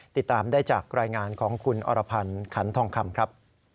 ติดตามได้จากรายงานของคุณอรพันธ์ขันทองคำครับ